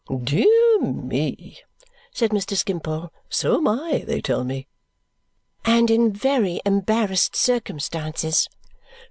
"Dear me!" said Mr. Skimpole. "So am I, they tell me." "And in very embarrassed circumstances."